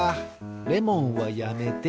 レモンはやめて。